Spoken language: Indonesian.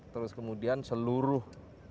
terus kemudian seluruh